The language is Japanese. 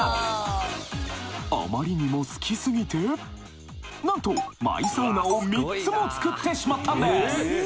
あまりにも好きすぎてなんとマイサウナを３つも造ってしまったんです